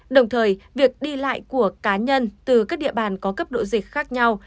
đồng thời việc đi lại của cá nhân từ các địa bàn có cấp độ dịch khác nhau